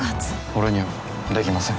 俺にはできません。